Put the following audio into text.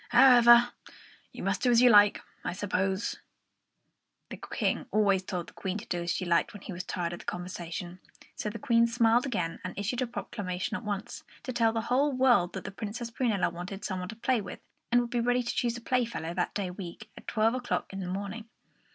However, you must do as you like, I suppose." The King always told the Queen to do as she liked when he was tired of the conversation; so the Queen smiled again and issued a proclamation at once, to tell the whole world that the Princess Prunella wanted some one to play with, and would be ready to choose a playfellow that day week, at twelve o'clock in the morning.